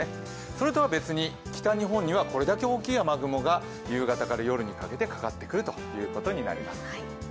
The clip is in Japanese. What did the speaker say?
それとは別に北日本にはこれだけ大きい雨雲が夕方から夜にかけてかかってくるということになります。